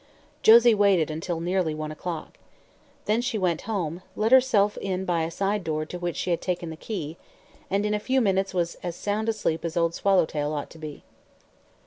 Josie waited until nearly one o'clock. Then she went home, let herself in by a side door to which she had taken the key, and in a few minutes was as sound asleep as Old Swallowtail ought to be.